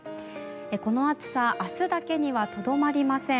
この暑さ明日だけにはとどまりません。